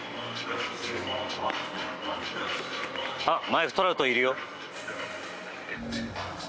マイク・トラウトいるよ。